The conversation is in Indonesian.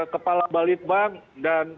kepala balitbank dan